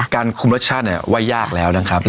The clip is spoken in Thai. การคุมรสชาติว่ายากแล้วนะครับ